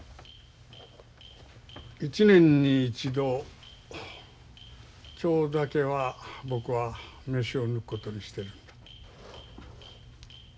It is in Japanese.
一年に一度今日だけは僕は飯を抜くことにしている。